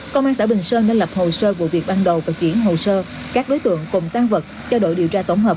công an xã bình sơn đã lập hồ sơ vụ việc ban đầu và chuyển hồ sơ các đối tượng cùng tan vật cho đội điều tra tổng hợp